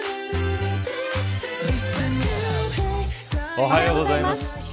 おはようございます。